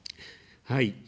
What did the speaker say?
はい。